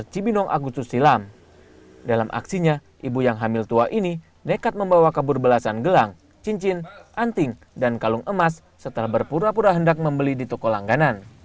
dalam aksinya ibu yang hamil tua ini nekat membawa kabur belasan gelang cincin anting dan kalung emas setelah berpura pura hendak membeli di toko langganan